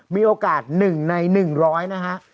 มีโอกาส๑ใน๑๐๐นะฮะ